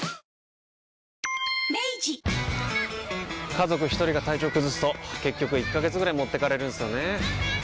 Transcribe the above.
家族一人が体調崩すと結局１ヶ月ぐらい持ってかれるんすよねー。